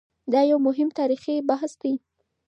دا یو مهم تاریخي بحث دی.